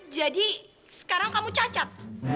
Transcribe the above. jadi sekarang kamu cacat